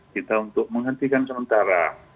kita untuk menghentikan sementara